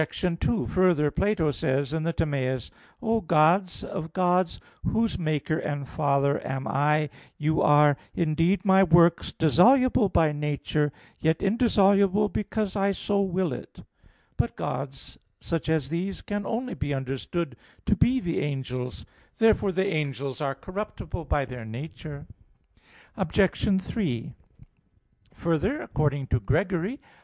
2: Further, Plato says in the Timaeus: "O gods of gods, whose maker and father am I: You are indeed my works, dissoluble by nature, yet indissoluble because I so will it." But gods such as these can only be understood to be the angels. Therefore the angels are corruptible by their nature Obj. 3: Further, according to Gregory (Moral.